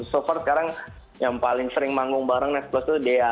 so far sekarang yang paling sering manggung bareng next plus itu dea